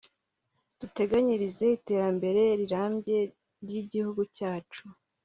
duteganyirize iterambere rirambye ry’igihugu cyacu